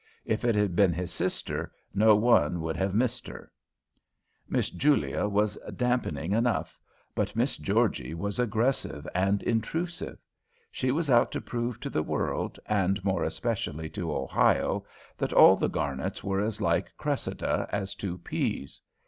If it had been his sister, No one would have missed her._ Miss Julia was dampening enough, but Miss Georgie was aggressive and intrusive. She was out to prove to the world, and more especially to Ohio, that all the Garnets were as like Cressida as two peas.